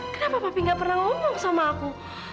kenapa papi gak pernah ngomong sama aku